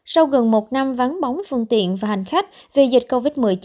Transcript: sau gần một năm vắng bóng phương tiện và hành khách vì dịch covid một mươi chín